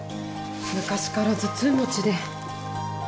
昔から頭痛持ちで。